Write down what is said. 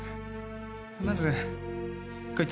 まずこいつ。